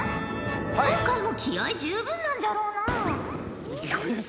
今回も気合い十分なんじゃろうな？